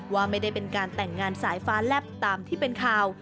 ว่าไม่ได้เป็นการแต่งงานสายฟ้าแลบตามที่เป็นข่าว